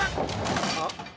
あっ？